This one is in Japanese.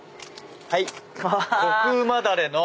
はい。